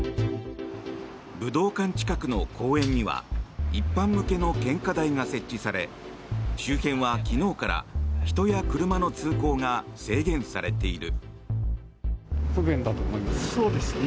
武道館近くの公園には一般向けの献花台が設置され周辺は昨日から人や車の通行が制限されている。